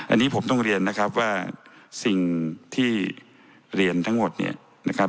อันนี้ผมต้องเรียนนะครับว่าสิ่งที่เรียนทั้งหมดเนี่ยนะครับ